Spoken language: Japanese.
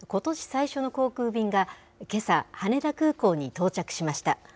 最初の航空便が、けさ羽田空港に到着しました。